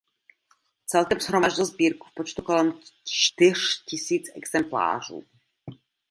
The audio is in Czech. Celkem shromáždil sbírku v počtu kolem čtyř tisíc exemplářů.